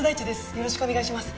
よろしくお願いします。